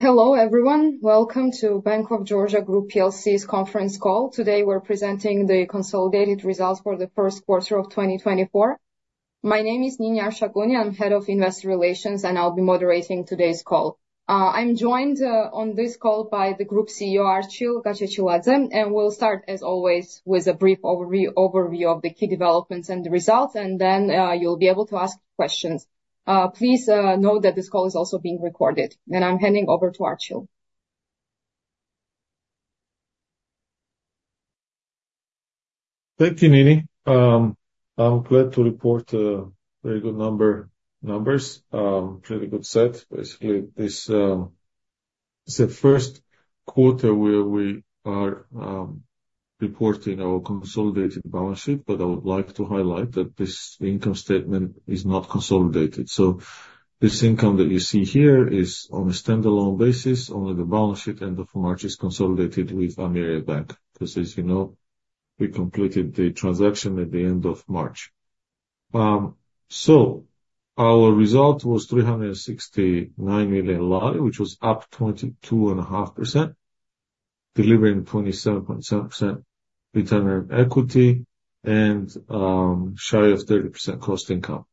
Hello, everyone. Welcome to Bank of Georgia Group PLC's conference call. Today, we're presenting the consolidated results for the first quarter of 2024. My name is Nini Arshakuni. I'm Head of Investor Relations, and I'll be moderating today's call. I'm joined on this call by the Group CEO, Archil Gachechiladze, and we'll start, as always, with a brief overview of the key developments and the results, and then you'll be able to ask questions. Please note that this call is also being recorded, and I'm handing over to Archil. Thank you, Nini. I'm glad to report very good numbers, pretty good set. Basically, it's the first quarter where we are reporting our consolidated balance sheet, but I would like to highlight that this income statement is not consolidated. So this income that you see here is on a standalone basis, only the balance sheet end of March is consolidated with Ameriabank. 'Cause as you know, we completed the transaction at the end of March. So our result was GEL 369 million, which was up 22.5%, delivering 27.7% return on equity and shy of 30% cost income.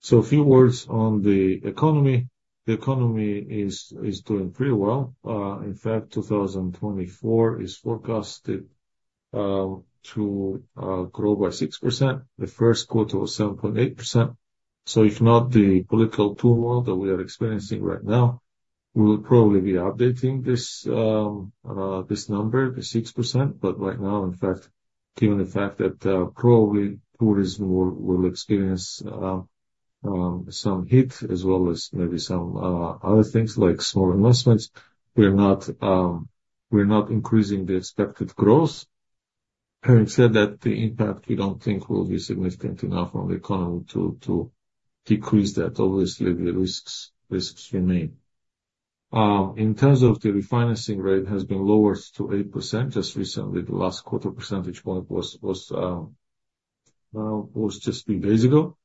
So a few words on the economy. The economy is doing pretty well. In fact, 2024 is forecasted to grow by 6%. The first quarter was 7.8%. So if not the political turmoil that we are experiencing right now, we will probably be updating this number, the 6%. But right now, in fact, given the fact that probably tourism will experience some hit, as well as maybe some other things like small investments, we're not, we're not increasing the expected growth. Having said that, the impact we don't think will be significant enough on the economy to decrease that. Obviously, the risks remain. In terms of the refinancing rate, has been lowered to 8% just recently. The last quarter percentage point was just a few days ago.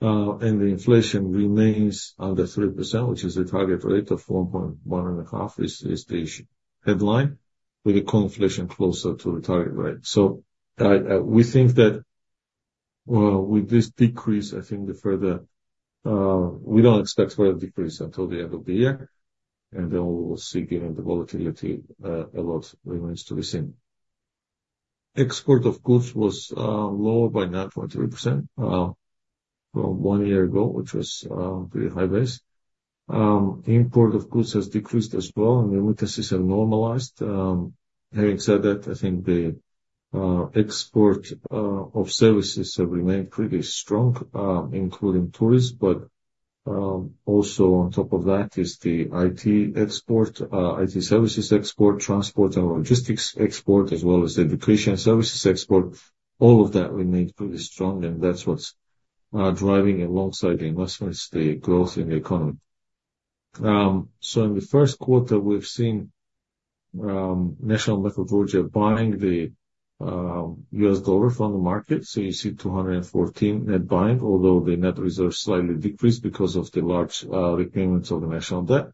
The inflation remains under 3%, which is a target rate of 4.1 and a half is the headline, with the core inflation closer to the target rate. So, we think that, well, with this decrease, I think we don't expect further decrease until the end of the year, and then we will see, given the volatility, a lot remains to be seen. Export of goods was lower by 9.3%, from 1 year ago, which was a pretty high base. Import of goods has decreased as well, and the imbalances have normalized. Having said that, I think the export of services have remained pretty strong, including tourists. But, also on top of that is the IT export, IT services export, transport and logistics export, as well as education services export. All of that remained pretty strong, and that's what's driving alongside the investments, the growth in the economy. So in the first quarter, we've seen National Bank of Georgia buying the U.S. dollar from the market, so you see 214 net buying, although the net reserves slightly decreased because of the large repayments of the national debt.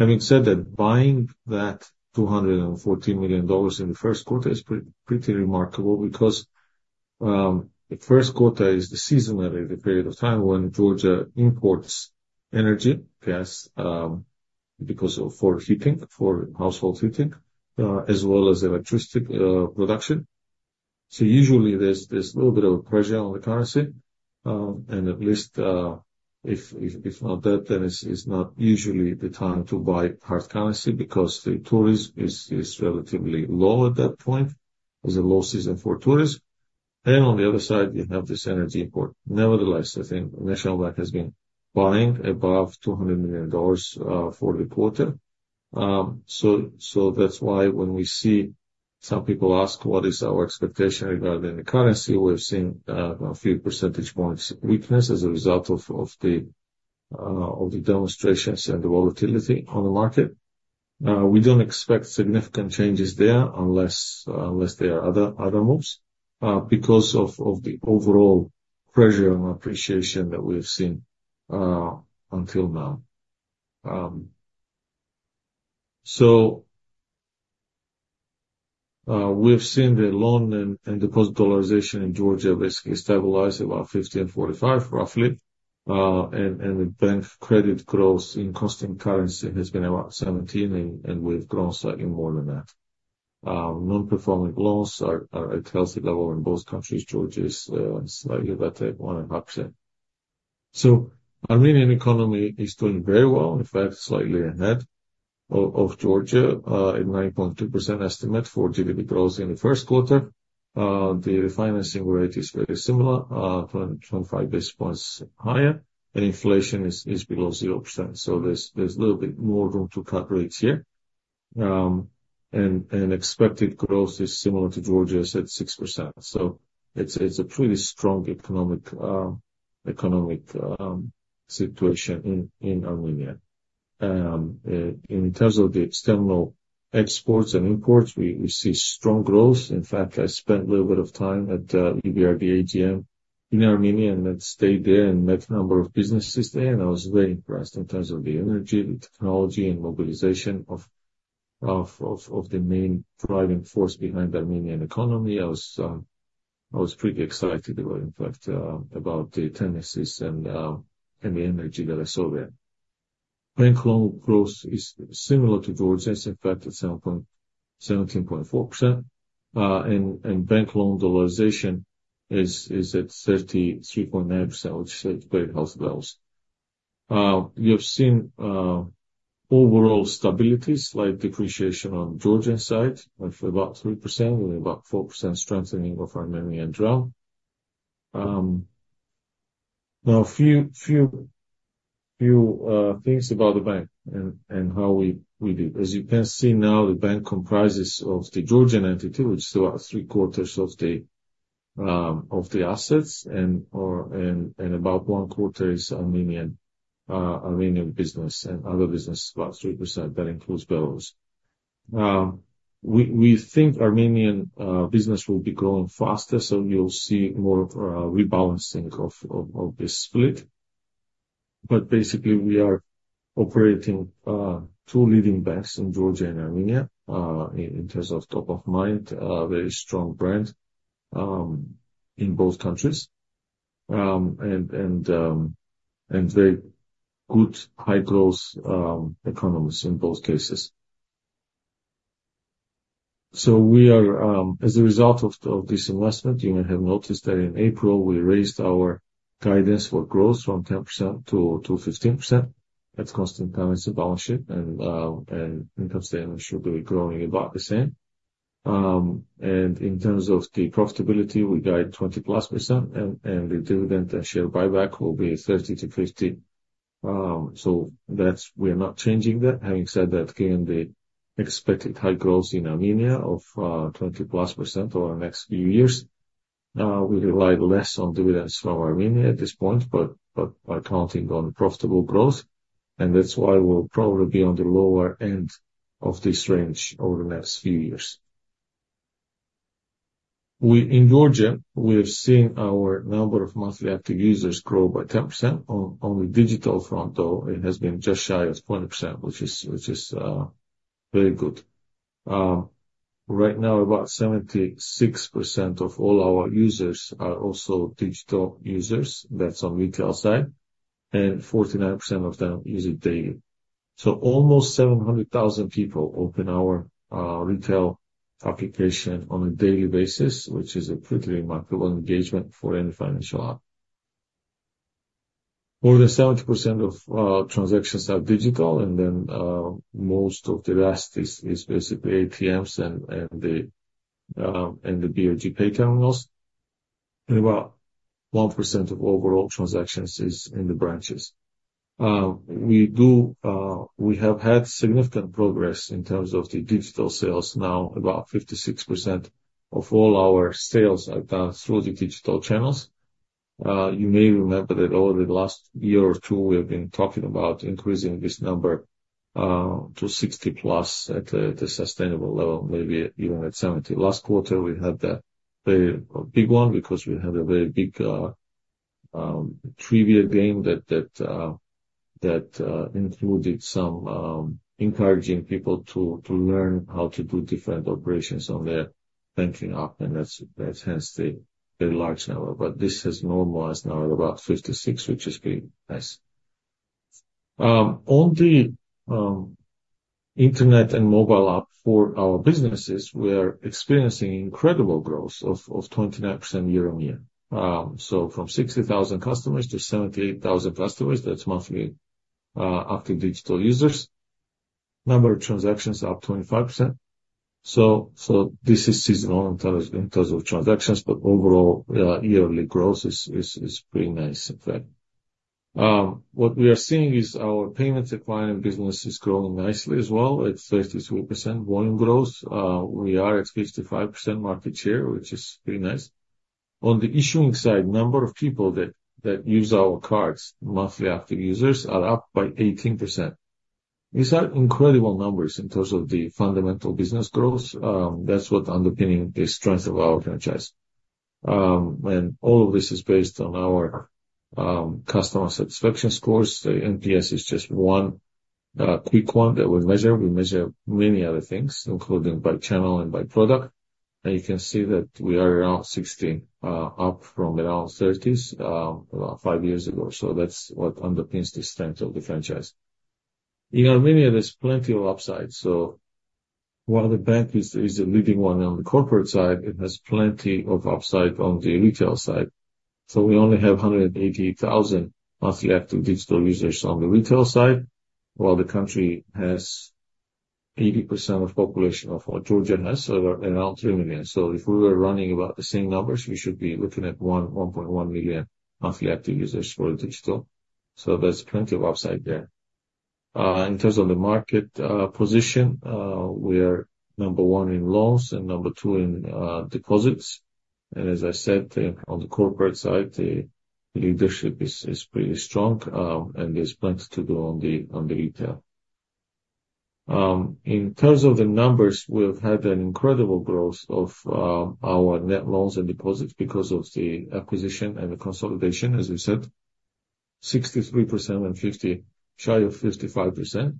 Having said that, buying that $214 million in the first quarter is pretty remarkable, because the first quarter is seasonally the period of time when Georgia imports energy, gas because of for heating, for household heating, as well as electricity production. So usually, there's a little bit of a pressure on the currency, and at least, if not that, then it's not usually the time to buy hard currency because the tourism is relatively low at that point. It's a low season for tourists. Then on the other side, you have this energy import. Nevertheless, I think National Bank has been buying above $200 million for the quarter. So that's why when we see some people ask what is our expectation regarding the currency, we've seen a few percentage points of weakness as a result of the demonstrations and the volatility on the market. We don't expect significant changes there unless there are other moves because of the overall pressure on appreciation that we have seen until now. So, we've seen the loan and deposit dollarization in Georgia basically stabilize about 50 and 45, roughly. The bank credit growth in constant currency has been about 17, and we've grown slightly more than that. Non-performing loans are at healthy level in both countries. Georgia is slightly better, 1.5%. So Armenian economy is doing very well, in fact, slightly ahead of Georgia in 9.2% estimate for GDP growth in the first quarter. The refinancing rate is very similar, 20.5 basis points higher, and inflation is below 0%, so there's a little bit more room to cut rates here. Expected growth is similar to Georgia's at 6%. So it's a pretty strong economic situation in Armenia. In terms of the external exports and imports, we see strong growth. In fact, I spent a little bit of time at EBRD AGM in Armenia and stayed there and met a number of businesses there, and I was very impressed in terms of the energy, the technology, and mobilization of the main driving force behind Armenian economy. I was pretty excited about, in fact, about the tendencies and the energy that I saw there. Bank loan growth is similar to Georgia's, in fact, it's 17.4%. And bank loan dollarization is at 33.9%, which is very healthy levels. You have seen overall stability, slight depreciation on Georgian side, and for about 3% and about 4% strengthening of Armenian dram. Now a few things about the bank and how we do. As you can see now, the bank comprises of the Georgian entity, which is about three quarters of the assets, and about one quarter is Armenian business, and other business, about 3% that includes Belarus. We think Armenian business will be growing faster, so you'll see more of rebalancing of this split. But basically, we are operating two leading banks in Georgia and Armenia in terms of top of mind, a very strong brand in both countries. And very good high growth economies in both cases. So we are. As a result of this investment, you may have noticed that in April, we raised our guidance for growth from 10% to 15%. That's constant currency balance sheet, and income statement should be growing about the same. And in terms of the profitability, we guide 20%+, and the dividend and share buyback will be 30-50%. So that's-- we're not changing that. Having said that, given the expected high growth in Armenia of 20%+ over the next few years, we rely less on dividends from Armenia at this point, but are counting on profitable growth, and that's why we'll probably be on the lower end of this range over the next few years. In Georgia, we have seen our number of monthly active users grow by 10%. On the digital front, though, it has been just shy of 20%, which is very good. Right now, about 76% of all our users are also digital users. That's on retail side, and 49% of them use it daily. So almost 700,000 people open our retail application on a daily basis, which is a pretty remarkable engagement for any financial app. More than 70% of transactions are digital, and then most of the rest is basically ATMs and the BOG pay terminals, and about 1% of overall transactions is in the branches. We have had significant progress in terms of the digital sales. Now, about 56% of all our sales are done through the digital channels. You may remember that over the last year or two, we have been talking about increasing this number to 60 plus at the sustainable level, maybe even at 70. Last quarter, we had a very big one, because we had a very big trivia game that included some encouraging people to learn how to do different operations on their banking app, and that's hence the large number. But this has normalized now at about 56, which is pretty nice. On the internet and mobile app for our businesses, we are experiencing incredible growth of 29% year-on-year. So from 60,000 customers to 78,000 customers, that's monthly active digital users. Number of transactions are up 25%. So this is seasonal in terms of transactions, but overall yearly growth is pretty nice in fact. What we are seeing is our payment acquiring business is growing nicely as well, at 33% volume growth. We are at 55% market share, which is pretty nice. On the issuing side, number of people that use our cards, monthly active users, are up by 18%. These are incredible numbers in terms of the fundamental business growth. That's what underpinning the strength of our franchise. And all of this is based on our customer satisfaction scores. The NPS is just one quick one that we measure. We measure many other things, including by channel and by product, and you can see that we are around 60, up from around 30s, about five years ago. So that's what underpins the strength of the franchise. In Armenia, there's plenty of upside. So while the bank is a leading one on the corporate side, it has plenty of upside on the retail side. So we only have 188,000 monthly active digital users on the retail side, while the country has 80% of population of what Georgia has, so around 3 million. So if we were running about the same numbers, we should be looking at 1.1 million monthly active users for digital. So there's plenty of upside there. In terms of the market position, we are number 1 in loans and number 2 in deposits. And as I said, on the corporate side, the leadership is pretty strong, and there's plenty to do on the retail. In terms of the numbers, we've had an incredible growth of our net loans and deposits because of the acquisition and the consolidation, as we said. 63% and 50, shy of 55%.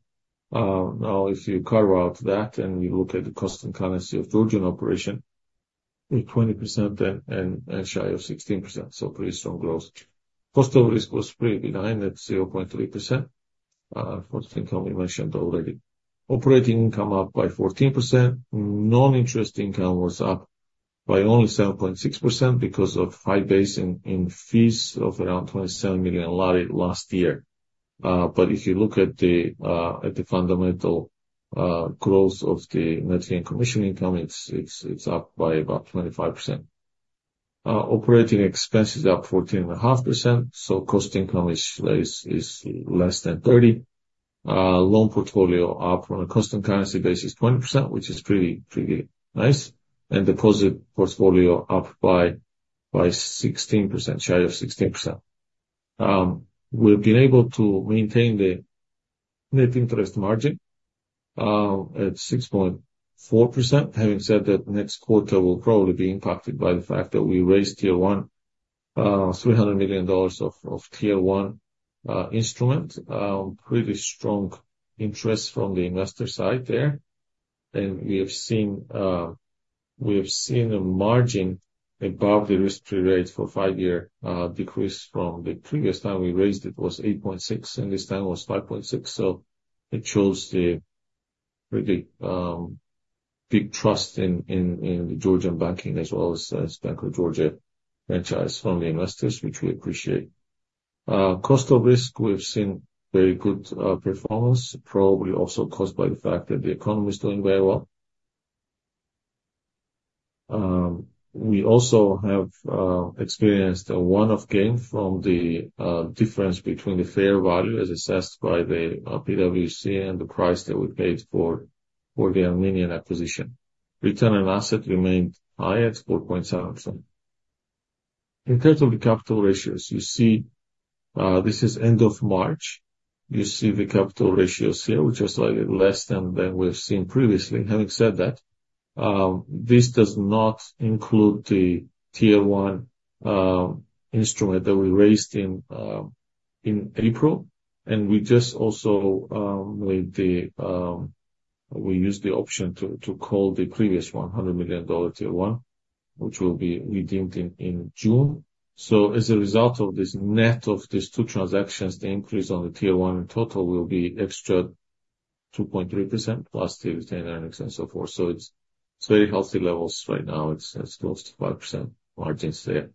Now, if you carve out that and you look at the constant currency of Georgian operation, with 20% then and shy of 16%, so pretty strong growth. Cost of risk was pretty benign at 0.3%. Cost income we mentioned already. Operating income up by 14%. Non-interest income was up by only 7.6% because of high base in fees of around GEL 27 million last year. But if you look at the fundamental growth of the net income, commission income, it's up by about 25%. Operating expenses up 14.5%, so cost income is less than 30. Loan portfolio up on a constant currency basis, 20%, which is pretty nice. Deposit portfolio up by 16%, shy of 16%. We've been able to maintain the net interest margin at 6.4%. Having said that, next quarter will probably be impacted by the fact that we raised Tier 1 $300 million of Tier 1 instrument. Pretty strong interest from the investor side there. We have seen a margin above the risk-free rate for five-year decrease. From the previous time we raised it was 8.6, and this time was 5.6. It shows pretty big trust in the Georgian banking as well as Bank of Georgia Group from the investors, which we appreciate. Cost of risk, we've seen very good performance, probably also caused by the fact that the economy is doing very well. We also have experienced a one-off gain from the difference between the fair value, as assessed by the PwC and the price that we paid for the Armenian acquisition. Return on assets remained high at 4.7%. In terms of the capital ratios, you see, this is end of March. You see the capital ratios here, which is slightly less than we've seen previously. Having said that, this does not include the Tier 1 instrument that we raised in April, and we just also used the option to call the previous $100 million Tier 1, which will be redeemed in June. So as a result of this, net of these two transactions, the increase on the Tier 1 in total will be extra 2.3%, plus the retained earnings and so forth. So it's very healthy levels right now. It's, that's close to 5% margins there.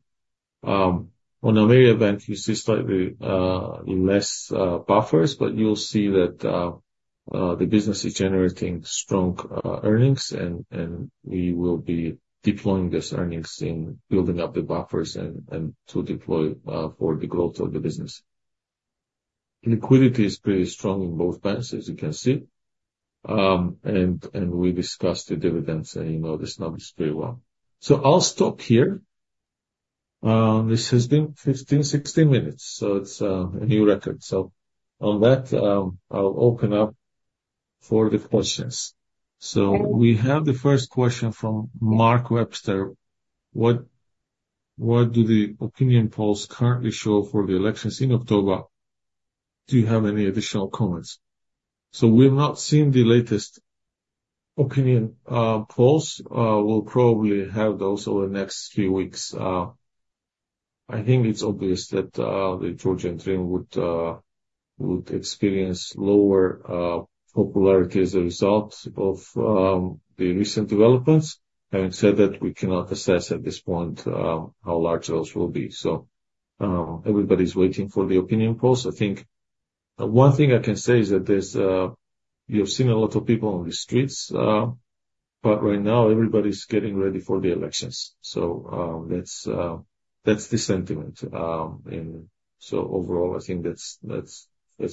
On a very event, you see slightly less buffers, but you'll see that the business is generating strong earnings, and we will be deploying these earnings in building up the buffers and to deploy for the growth of the business. Liquidity is pretty strong in both banks, as you can see. And we discussed the dividends, and you know this number is pretty well. So I'll stop here. This has been 15, 16 minutes, so it's a new record. So on that, I'll open up for the questions. So we have the first question from Mark Webster: What, what do the opinion polls currently show for the elections in October? Do you have any additional comments? So we've not seen the latest opinion polls. We'll probably have those over the next few weeks. I think it's obvious that the Georgian Dream would experience lower popularity as a result of the recent developments. Having said that, we cannot assess at this point how large those will be. So everybody's waiting for the opinion polls. I think one thing I can say is that there's you've seen a lot of people on the streets, but right now, everybody's getting ready for the elections. So that's the sentiment. And so overall, I think that's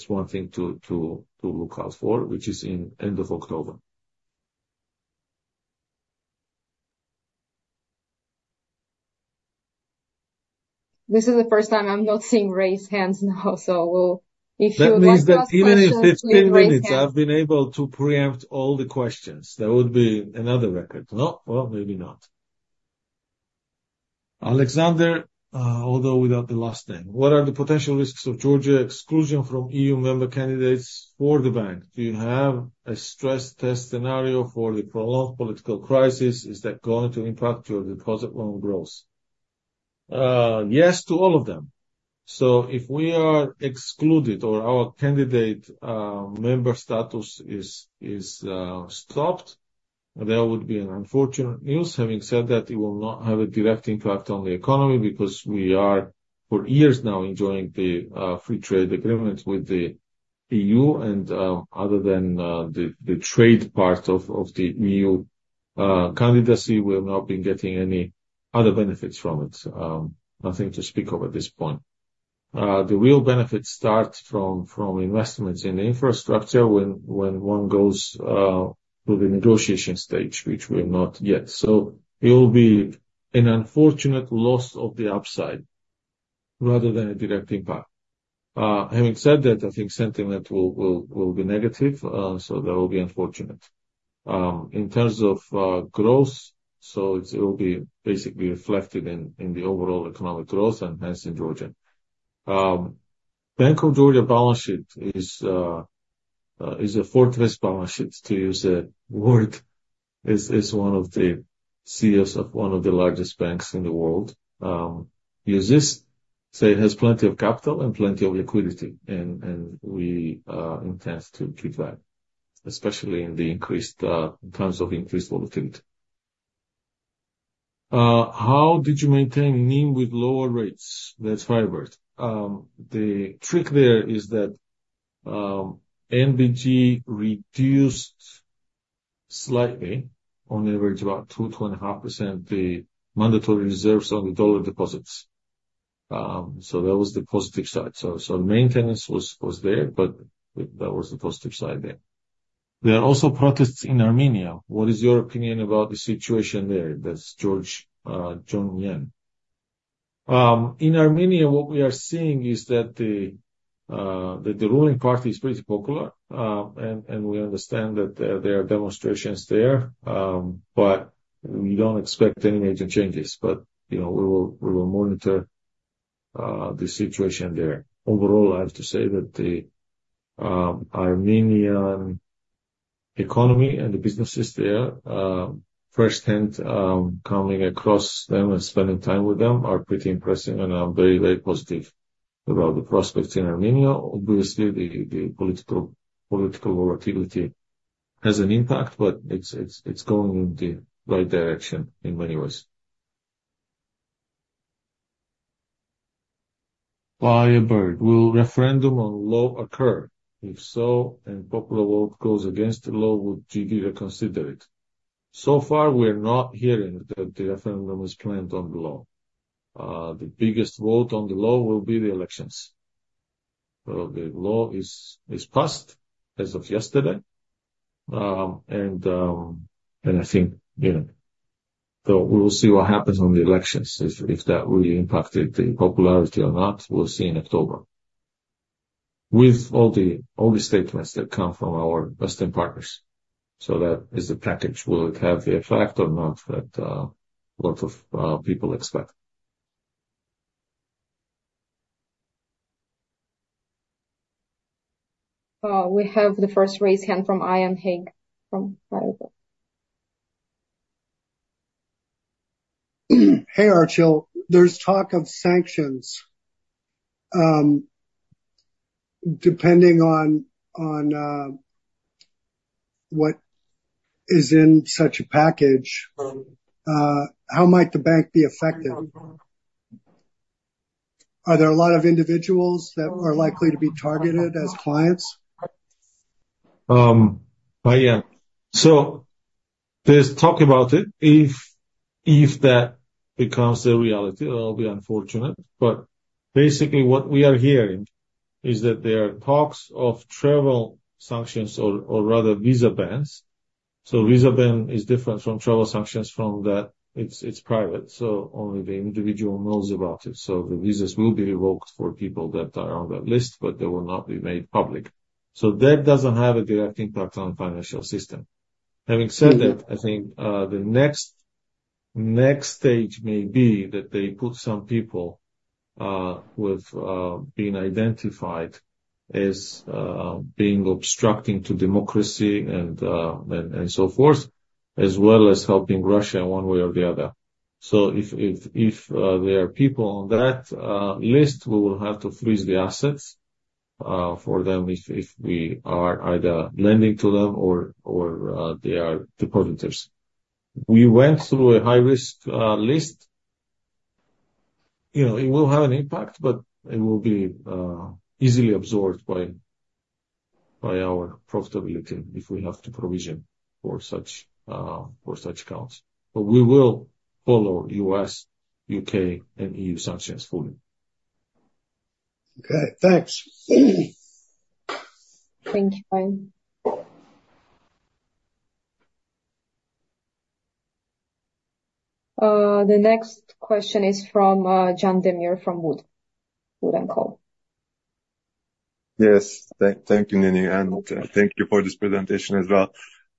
one thing to look out for, which is in end of October. This is the first time I'm not seeing raised hands now, so if you- That means that even in 15 minutes, I've been able to preempt all the questions. That would be another record. No? Well, maybe not. Alexander, although without the last name, what are the potential risks of Georgia exclusion from EU member candidates for the bank? Do you have a stress test scenario for the prolonged political crisis? Is that going to impact your deposit loan growth? Yes to all of them. So if we are excluded or our candidate member status is stopped, there would be an unfortunate news. Having said that, it will not have a direct impact on the economy because we are, for years now, enjoying the free trade agreement with the EU. And other than the trade part of the EU candidacy, we've not been getting any other benefits from it. Nothing to speak of at this point. The real benefits start from investments in infrastructure when one goes to the negotiation stage, which we're not yet. So it will be an unfortunate loss of the upside, rather than a direct impact. Having said that, I think sentiment will be negative, so that will be unfortunate. In terms of growth, so it will be basically reflected in the overall economic growth and hence in Georgia. Bank of Georgia balance sheet is a fortress balance sheet, to use a word from one of the CEOs of one of the largest banks in the world. Use this, say it has plenty of capital and plenty of liquidity, and we intend to keep that, especially in terms of increased volatility. How did you maintain NIM with lower rates? That's Firebird. The trick there is that NBG reduced slightly, on average, about 2-2.5%, the mandatory reserves on the US dollar deposits. So that was the positive side. So maintenance was there, but that was the positive side there. There are also protests in Armenia. What is your opinion about the situation there? That's George Jnanyan. In Armenia, what we are seeing is that the ruling party is pretty popular. And we understand that there are demonstrations there, but we don't expect any major changes. But, you know, we will, we will monitor the situation there. Overall, I have to say that the Armenian economy and the businesses there firsthand coming across them and spending time with them are pretty impressive, and I'm very, very positive about the prospects in Armenia. Obviously, the political activity has an impact, but it's going in the right direction in many ways. Firebird, will referendum on law occur? If so, and popular vote goes against the law, would GD reconsider it? So far, we're not hearing that the referendum is planned on the law. The biggest vote on the law will be the elections. The law is passed as of yesterday, and I think, you know, so we will see what happens on the elections. If that really impacted the popularity or not, we'll see in October. With all the statements that come from our Western partners, so that is the package. Will it have the effect or not, that lot of people expect? We have the first raised hand from Ian Hague from Firebird Management. Hey, Archil. There's talk of sanctions. Depending on what is in such a package, how might the bank be affected? Are there a lot of individuals that are likely to be targeted as clients? Yeah. So there's talk about it. If that becomes a reality, it'll be unfortunate. But basically, what we are hearing is that there are talks of travel sanctions or rather, visa bans. So visa ban is different from travel sanctions, from that it's private, so only the individual knows about it. So the visas will be revoked for people that are on that list, but they will not be made public. So that doesn't have a direct impact on financial system. Having said that, I think the next stage may be that they put some people who have been identified as being obstructing to democracy and so forth, as well as helping Russia one way or the other. So if there are people on that list, we will have to freeze the assets for them if we are either lending to them or they are depositors. We went through a high-risk list. You know, it will have an impact, but it will be easily absorbed by our profitability if we have to provision for such accounts. But we will follow U.S., U.K., and E.U. sanctions fully. Okay, thanks. Thank you, Ian. The next question is from Can Demir from Wood & Company. Yes. Thank you, Nini, and thank you for this presentation as well.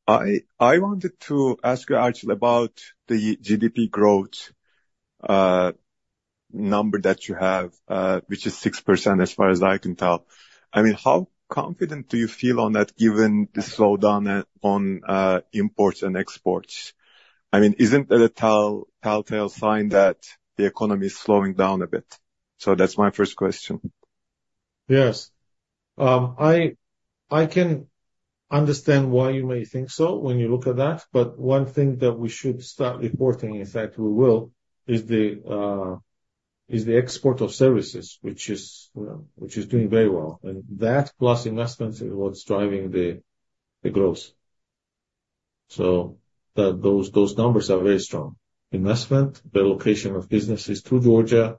I wanted to ask you, Archil, about the GDP growth number that you have, which is 6%, as far as I can tell. I mean, how confident do you feel on that, given the slowdown on imports and exports? I mean, isn't that a telltale sign that the economy is slowing down a bit? So that's my first question. Yes. I can understand why you may think so when you look at that, but one thing that we should start reporting, in fact, we will, is the export of services, which is, you know, which is doing very well. And that plus investments is what's driving the growth. So those numbers are very strong. Investment, the location of businesses through Georgia,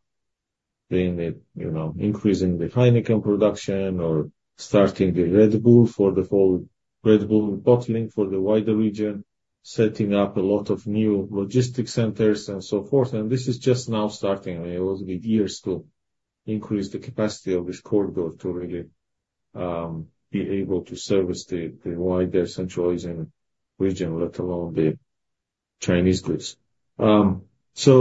be it, you know, increasing the Heineken production or starting the Red Bull for the full Red Bull bottling for the wider region... setting up a lot of new logistics centers and so forth, and this is just now starting. It will need years to increase the capacity of this corridor to really be able to service the wider Central Asian region, let alone the Chinese goods. So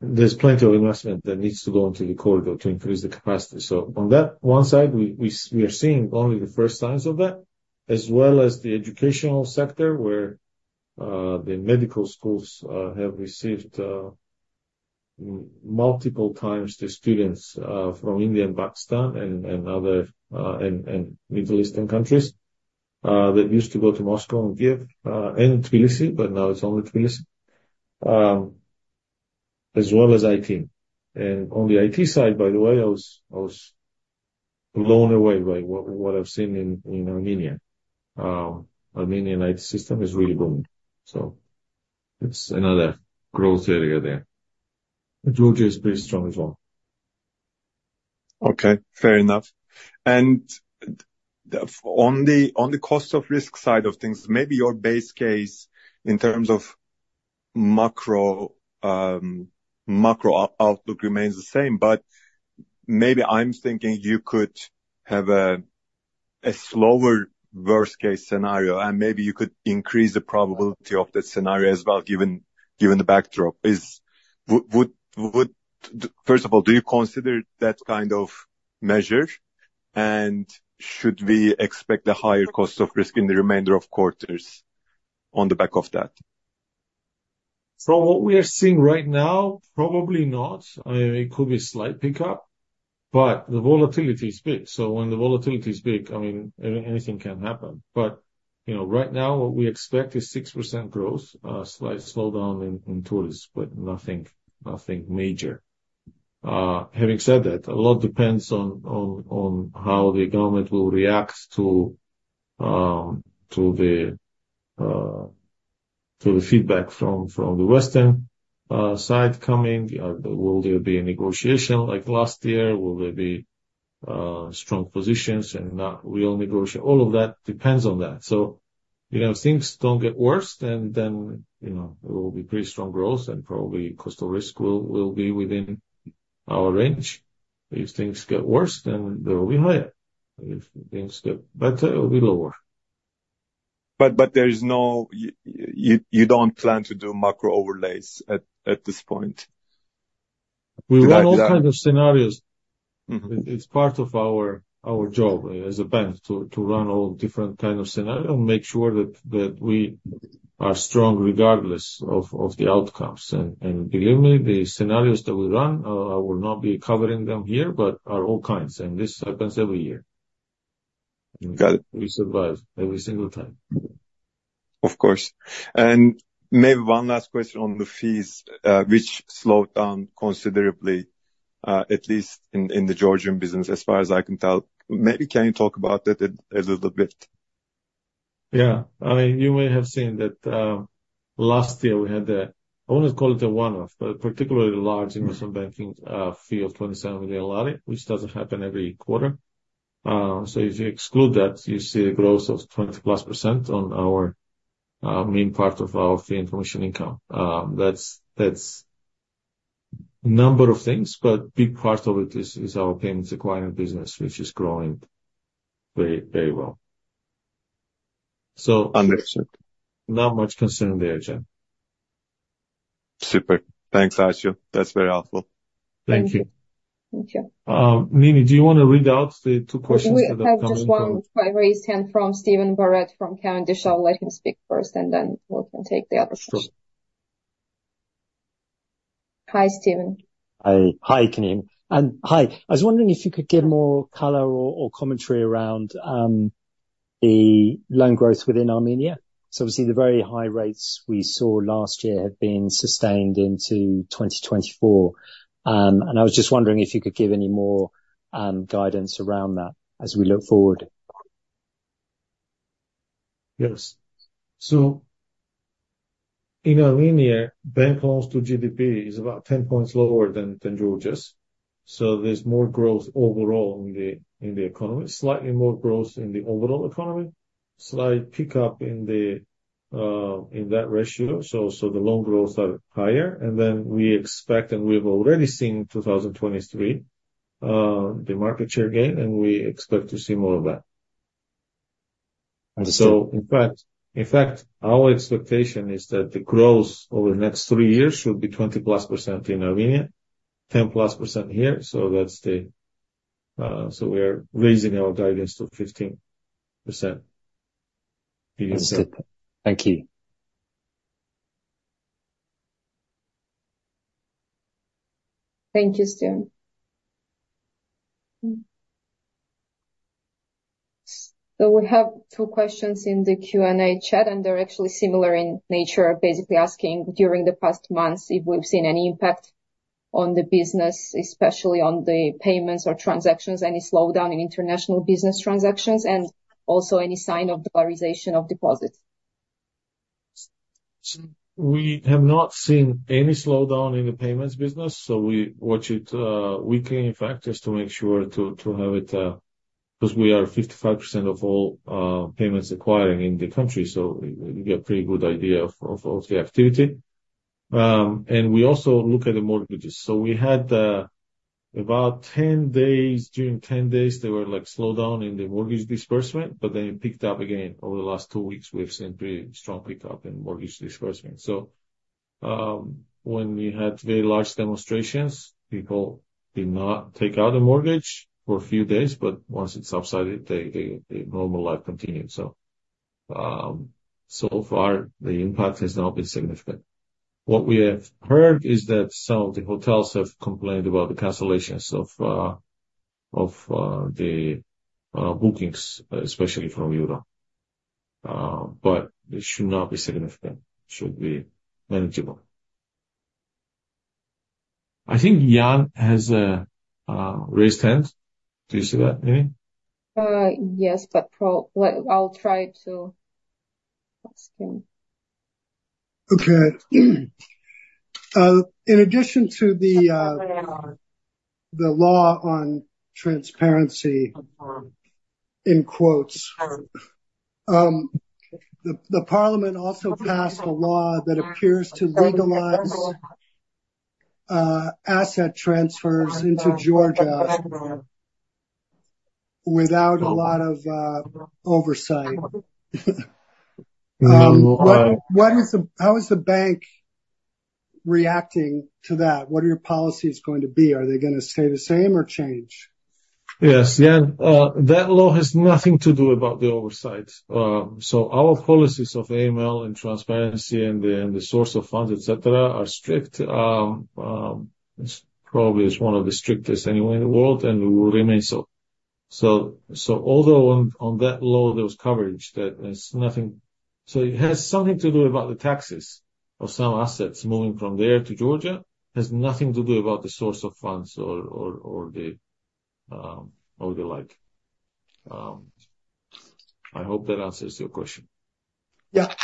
there's plenty of investment that needs to go into the corridor to increase the capacity. So on that one side, we are seeing only the first signs of that, as well as the educational sector, where the medical schools have received multiple times the students from India and Pakistan and other Middle Eastern countries that used to go to Moscow and Kiev and Tbilisi, but now it's only Tbilisi, as well as IT. And on the IT side, by the way, I was blown away by what I've seen in Armenia. Armenian IT system is really booming, so it's another growth area there. But Georgia is pretty strong as well. Okay, fair enough. And on the cost of risk side of things, maybe your base case in terms of macro outlook remains the same, but maybe I'm thinking you could have a slower worst case scenario, and maybe you could increase the probability of that scenario as well, given the backdrop. Is. Would first of all, do you consider that kind of measure? And should we expect a higher cost of risk in the remainder of quarters on the back of that? From what we are seeing right now, probably not. I mean, it could be a slight pickup, but the volatility is big. So when the volatility is big, I mean, anything can happen. But, you know, right now, what we expect is 6% growth, a slight slowdown in tourists, but nothing major. Having said that, a lot depends on how the government will react to the feedback from the Western side coming. Will there be a negotiation like last year? Will there be strong positions and not real negotiation? All of that depends on that. So, if things don't get worse, then, you know, it will be pretty strong growth and probably cost of risk will be within our range. If things get worse, then they will be higher. If things get better, it will be lower. But there is no... You, you don't plan to do macro overlays at this point? We run all kinds of scenarios. Mm-hmm. It's part of our job as a bank to run all different kind of scenario and make sure that we are strong regardless of the outcomes. And believe me, the scenarios that we run, I will not be covering them here, but are all kinds, and this happens every year. Got it. We survive every single time. Of course. And maybe one last question on the fees, which slowed down considerably, at least in the Georgian business, as far as I can tell. Maybe can you talk about that a little bit? Yeah. I mean, you may have seen that, last year we had a... I wouldn't call it a one-off, but a particularly large investment banking fee of GEL 27 million, which doesn't happen every quarter. So if you exclude that, you see a growth of 20+% on our main part of our fee information income. That's, that's number of things, but big part of it is our payments acquiring business, which is growing very, very well. So- Understood. Not much concern there, Can. Super. Thanks, Archil. That's very helpful. Thank you. Thank you. Nini, do you want to read out the two questions that have come in? We have just one by Raise Hand from Stephen Barrett, from Cavendish Capital Markets. Let him speak first, and then we can take the other questions. Sure. Hi, Stephen. Hi. Hi, good evening. Hi, I was wondering if you could give more color or commentary around the loan growth within Armenia. So obviously, the very high rates we saw last year have been sustained into 2024. And I was just wondering if you could give any more guidance around that as we look forward. Yes. So in Armenia, bank loans to GDP is about 10 points lower than Georgia's, so there's more growth overall in the economy, slightly more growth in the overall economy, slight pickup in that ratio. So the loan growth are higher, and then we expect, and we've already seen in 2023, the market share gain, and we expect to see more of that. Understood. So in fact, in fact, our expectation is that the growth over the next three years should be 20+% in Armenia, 10+% here. So that's the. So we are raising our guidance to 15%. That's it. Thank you. Thank you, Stephen. So we have two questions in the Q&A chat, and they're actually similar in nature, basically asking, during the past months, if we've seen any impact on the business, especially on the payments or transactions, any slowdown in international business transactions, and also any sign of the polarization of deposits? We have not seen any slowdown in the payments business, so we watch it weekly, in fact, just to make sure to have it. Because we are 55% of all payments acquiring in the country, so we get a pretty good idea of the activity. And we also look at the mortgages. So we had about 10 days. During 10 days, there were like slowdown in the mortgage disbursement, but then it picked up again. Over the last 2 weeks, we've seen pretty strong pick up in mortgage disbursement. So when we had very large demonstrations, people did not take out a mortgage for a few days, but once it subsided, the normal life continued. So so far, the impact has not been significant. What we have heard is that some of the hotels have complained about the cancellations of the bookings, especially from Europe, but it should not be significant, should be manageable. I think Ian has a raised hand. Do you see that, Nini? Yes, but well, I'll try to ask him. Okay. In addition to the law on transparency, in quotes, the parliament also passed a law that appears to legalize asset transfers into Georgia without a lot of oversight. What is the... How is the bank reacting to that? What are your policies going to be? Are they gonna stay the same or change? Yes, Ian, that law has nothing to do about the oversight. So our policies of AML and transparency and the source of funds, et cetera, are strict. It's probably one of the strictest anywhere in the world, and will remain so. So although on that law, there was coverage, that there's nothing. So it has something to do about the taxes of some assets moving from there to Georgia, has nothing to do about the source of funds or the like. I hope that answers your question. Yeah.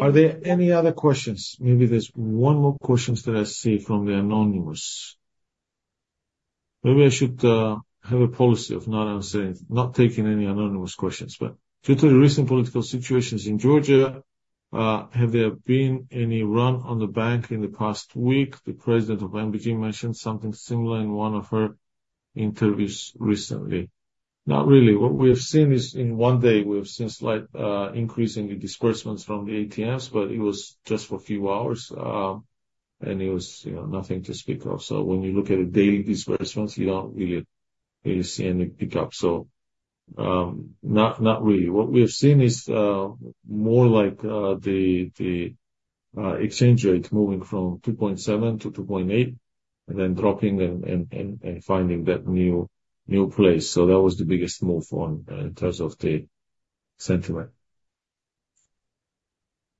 Are there any other questions? Maybe there's one more questions that I see from the anonymous. Maybe I should have a policy of not answering, not taking any anonymous questions. But due to the recent political situations in Georgia, have there been any run on the bank in the past week? The president of NBG mentioned something similar in one of her interviews recently. Not really. What we have seen is, in one day, we have seen slight increase in the disbursements from the ATMs, but it was just for a few hours, and it was, you know, nothing to speak of. So when you look at the daily disbursements, you don't really, really see any pickup. So, not, not really. What we have seen is more like the exchange rate moving from 2.7-2.8, and then dropping and finding that new place. So that was the biggest move in terms of the sentiment.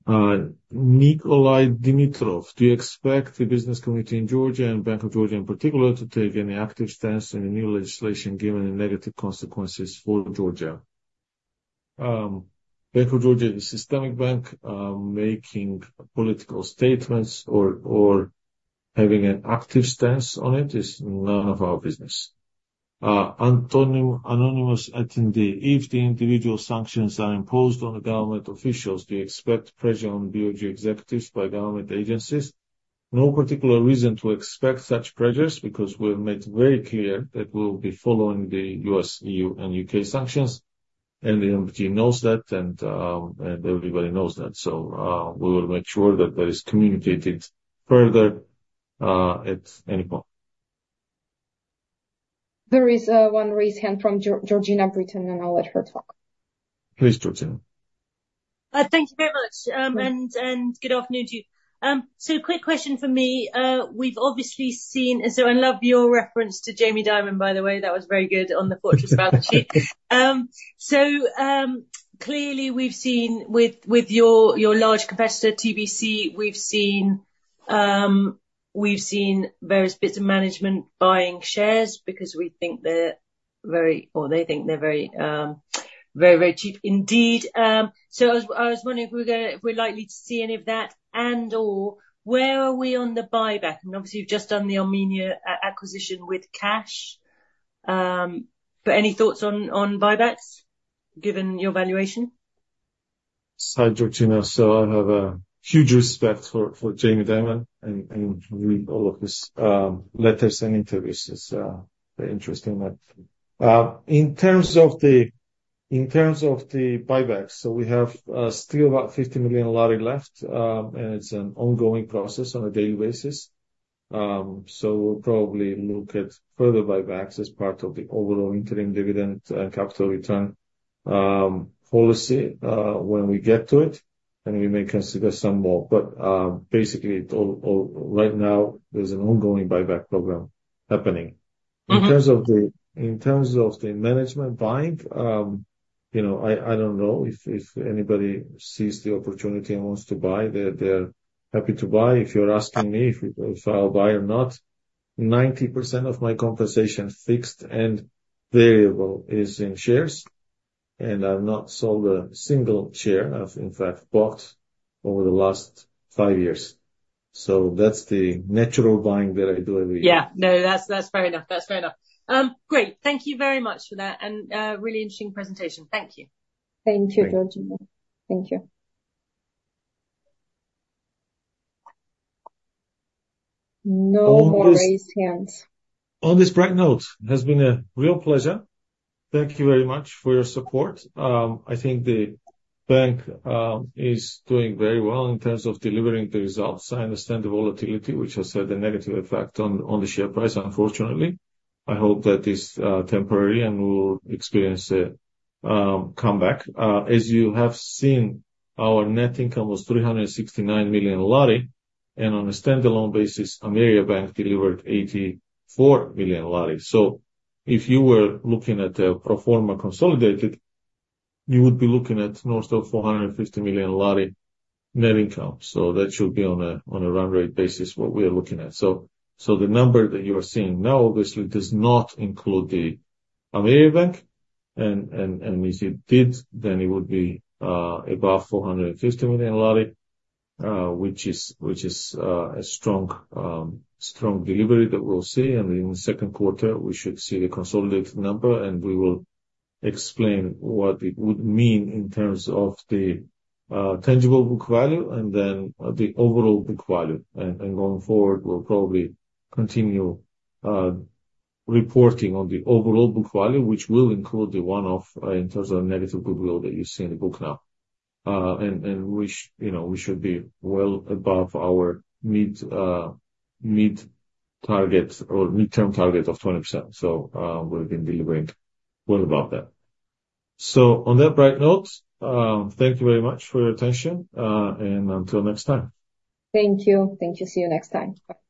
Nikolai Dimitrov, do you expect the business community in Georgia and Bank of Georgia in particular to take any active stance on the new legislation, given the negative consequences for Georgia? Bank of Georgia is a systemic bank. Making political statements or having an active stance on it is none of our business. Anthony - anonymous attendee, if the individual sanctions are imposed on the government officials, do you expect pressure on BoG executives by government agencies? No particular reason to expect such pressures, because we've made very clear that we'll be following the U.S., E.U., and U.K. sanctions, and the NBG knows that, and everybody knows that. So, we will make sure that that is communicated further, at any point. There is one raised hand from Georgina Brittain, and I'll let her talk. Please, Georgina. Thank you very much, and good afternoon to you. So quick question for me. We've obviously seen... So I love your reference to Jamie Dimon, by the way. That was very good on the fortress balance sheet. So, clearly we've seen with your large competitor, TBC, we've seen various bits of management buying shares because we think they're very, or they think they're very, very cheap indeed. So I was wondering if we're gonna, if we're likely to see any of that, and/or where are we on the buyback? And obviously, you've just done the Armenia acquisition with cash. But any thoughts on buybacks, given your valuation? Hi, Georgina. So I have a huge respect for, for Jamie Dimon, and, and read all of his, letters and interviews. It's, very interesting that. In terms of the, in terms of the buybacks, so we have, still about GEL 50 million left, and it's an ongoing process on a daily basis. So we'll probably look at further buybacks as part of the overall interim dividend and capital return, policy, when we get to it, and we may consider some more. But, basically, all, all... Right now, there's an ongoing buyback program happening. Mm-hmm. In terms of the, in terms of the management buying, you know, I, I don't know. If, if anybody sees the opportunity and wants to buy, they're, they're happy to buy. If you're asking me if, if I'll buy or not. 90% of my compensation, fixed and variable, is in shares, and I've not sold a single share. I've in fact bought over the last five years. So that's the natural buying that I do every year. Yeah. No, that's, that's fair enough. That's fair enough. Great. Thank you very much for that, and really interesting presentation. Thank you. Thank you, Georgina. Thank you. No more raised hands. On this bright note, it has been a real pleasure. Thank you very much for your support. I think the bank is doing very well in terms of delivering the results. I understand the volatility, which has had a negative effect on the share price, unfortunately. I hope that is temporary, and we'll experience a comeback. As you have seen, our net income was GEL 369 million, and on a standalone basis, Ameriabank delivered GEL 84 million. So if you were looking at a pro forma consolidated, you would be looking at north of GEL 450 million net income. So that should be on a run rate basis, what we are looking at. So the number that you are seeing now, obviously, does not include the Ameriabank, and if it did, then it would be above GEL 450 million, which is a strong delivery that we'll see. And in the second quarter, we should see the consolidated number, and we will explain what it would mean in terms of the tangible book value and then the overall book value. And going forward, we'll probably continue reporting on the overall book value, which will include the one-off in terms of negative goodwill that you see in the book now. And which, you know, we should be well above our mid target or midterm target of 20%. So we've been delivering well above that. So on that bright note, thank you very much for your attention, and until next time. Thank you. Thank you. See you next time. Bye.